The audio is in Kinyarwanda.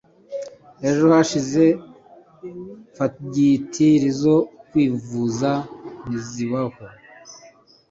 ejo hashize fagitire zo kwifuza ntizibaho